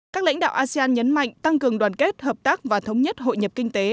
các lãnh đạo asean nhấn mạnh tăng cường đoàn kết hợp tác và thống nhất hội nhập kinh tế